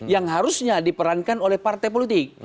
yang harusnya diperankan oleh partai politik